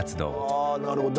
あなるほど。